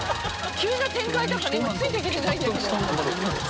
急な展開だから今ついていけてないんだけど。